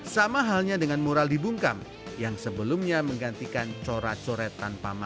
sama halnya dengan mural dibungkam yang sebelumnya menggantikan corak coret tanpa masalah